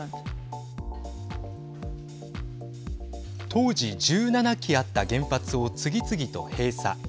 当時、１７基あった原発を次々と閉鎖。